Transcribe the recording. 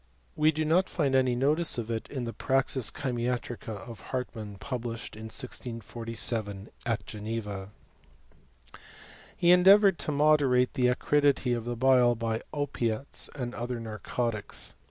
W%. do not find any notice of it in the praons ckymiatriM of Hartmann published in 1647, at Greneva. He endeavoured to moderate the acridity of the bila by opiates and other narcotics.